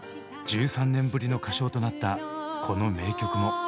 １３年ぶりの歌唱となったこの名曲も。